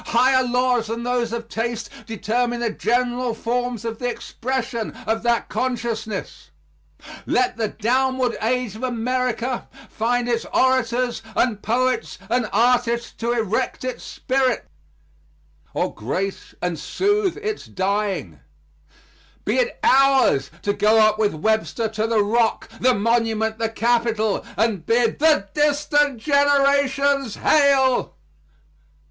Higher laws than those of taste determine the general forms of the expression of that consciousness. Let the downward age of America find its orators and poets and artists to erect its spirit, or grace and soothe its dying; be it ours to go up with Webster to the Rock, the Monument, the Capitol, and bid "the distant generations hail!"